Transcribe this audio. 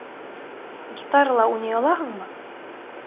Гитарала уйнай алаһыңмы?